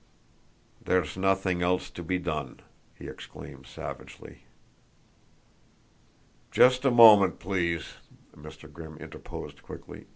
"There's nothing else to be done," he exclaimed savagely. "Just a moment, please," Mr. Grimm interposed quickly.